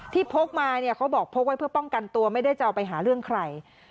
พกมาเนี่ยเขาบอกพกไว้เพื่อป้องกันตัวไม่ได้จะเอาไปหาเรื่องใคร